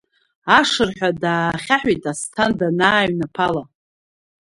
Ашырҳәа даахьаҳәит Асҭан данааҩнаԥала.